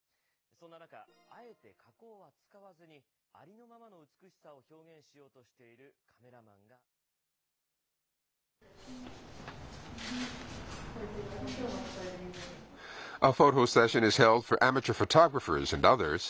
そんな中、あえて加工は使わずに、ありのままの美しさを表現しようとしているカメラマンがいます。